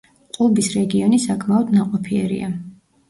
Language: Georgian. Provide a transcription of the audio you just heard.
ყუბის რეგიონი საკმაოდ ნაყოფიერია.